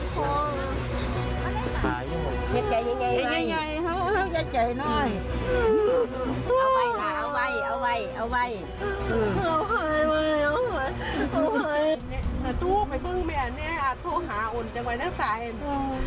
สวัสดีครับ